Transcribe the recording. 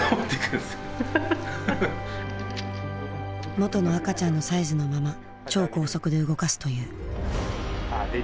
元の赤ちゃんのサイズのまま超高速で動かすという。